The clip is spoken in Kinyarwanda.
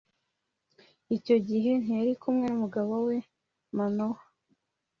icyo gihe ntiyari kumwe n’umugabo we Manowa